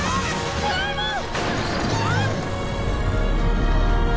ドラえもん！